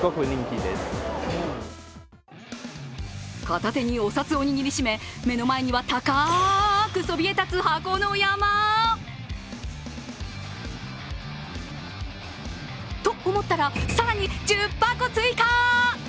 片手にお札を握りしめ目の前には高くそびえ立つ箱の山。と思ったら、更に１０箱追加！